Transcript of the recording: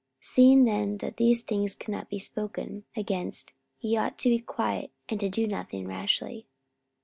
44:019:036 Seeing then that these things cannot be spoken against, ye ought to be quiet, and to do nothing rashly.